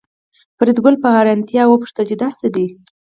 فریدګل په حیرانتیا وپوښتل چې دا څه دي